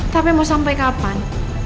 tapi mau sampai kapan